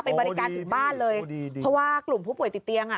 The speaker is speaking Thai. ไปบริการถึงบ้านเลยเพราะว่ากลุ่มผู้ป่วยติดเตียงอ่ะ